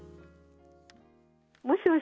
もしもし、